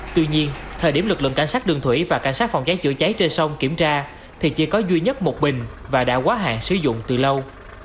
tuy nhiên thời điểm lực lượng cảnh sát đường thủy và cảnh sát phòng cháy chữa cháy trên sông kiểm tra thì chỉ có duy nhất một bình và đã quá hạn sử dụng từ lâu